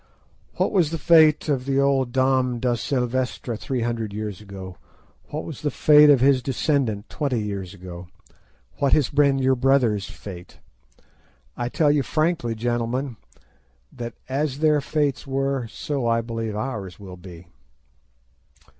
What was the fate of the old Dom da Silvestra three hundred years ago? What was the fate of his descendant twenty years ago? What has been your brother's fate? I tell you frankly, gentlemen, that as their fates were so I believe ours will be."